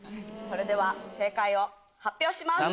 それでは正解を発表します。